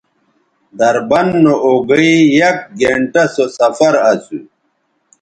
دربند نو اوگئ یک گھنٹہ سو سفر اسو